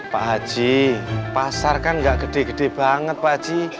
pak haji pasar kan gak gede gede banget pak haji